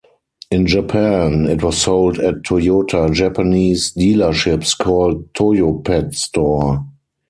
In Japan, it was sold at Toyota Japanese dealerships called "Toyopet Store".